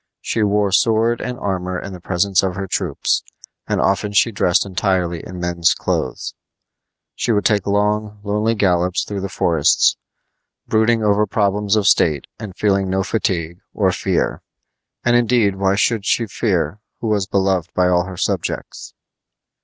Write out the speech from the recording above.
She wore sword and armor in the presence of her troops, and often she dressed entirely in men's clothes. She would take long, lonely gallops through the forests, brooding over problems of state and feeling no fatigue or fear. And indeed why should she fear, who was beloved by all her subjects?